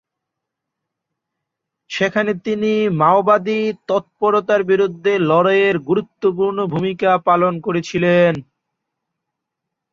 সেখানে তিনি মাওবাদী তৎপরতার বিরুদ্ধে লড়াইয়ে গুরুত্বপূর্ণ ভূমিকা পালন করেছিলেন।